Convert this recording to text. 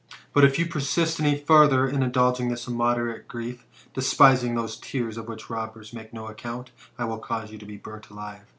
But, if you persist any farther in indulging this immoderate grief, despising those tears of which robbers make no account, I will cause you to be burnt alive."